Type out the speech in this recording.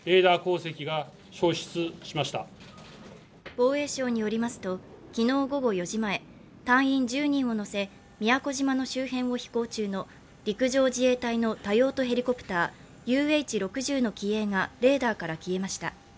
防衛省によりますと昨日午後４時前、隊員１０人を乗せ宮古島の周辺を飛行中の陸上自衛隊の多用途ヘリコプターＵＨ−６０の機影がレーダーから消えました。